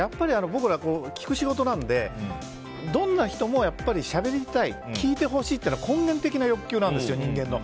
僕らは聞く仕事なのでどんな人もしゃべりたい聞いてほしいって根源的な欲求なんです、人間の。